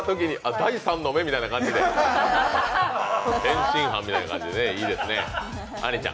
第３の目みたいな、天津飯みたいな感じでいいですね。